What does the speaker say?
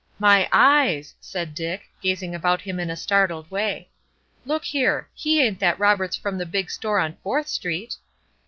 "My eyes!" said Dick, gazing about him in a startled way. "Look here; he ain't that Roberts from the big store on Fourth Street?"